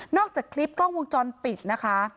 จากคลิปกล้องวงจรปิดนะคะ